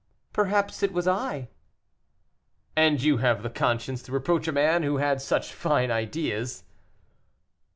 "Perhaps it was I." "And you have the conscience to reproach a man who had such fine ideas."